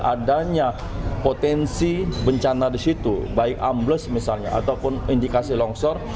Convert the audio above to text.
adanya potensi bencana di situ baik ambles misalnya ataupun indikasi longsor